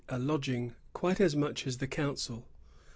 a lodging quite as much as the council.